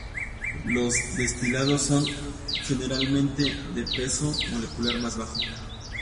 Los destilados son generalmente de peso molecular más bajo.